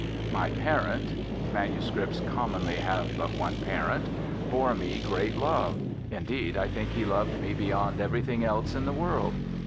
My parent manuscripts commonly have but one parent bore me great love; indeed I think he loved me beyond everything else in the world.